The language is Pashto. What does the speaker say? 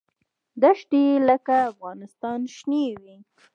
دښتې یې لکه افغانستان شنې نه وې.